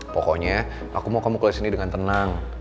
pokoknya aku mau kamu kelas sini dengan tenang